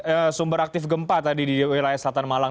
ada sumber aktif gempa tadi di wilayah selatan malang